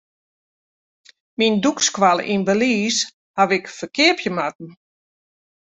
Myn dûkskoalle yn Belize haw ik ferkeapje moatten.